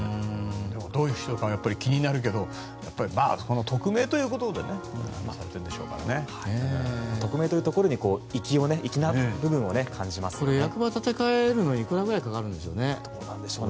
どういう人かはやっぱり気になるけど匿名ということで匿名というところに役場建て替えるのにいくらくらいかかるんでしょうね。